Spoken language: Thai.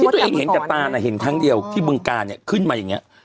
ตัวเองเห็นกับตาน่ะเห็นครั้งเดียวที่บึงการเนี่ยขึ้นมาอย่างนี้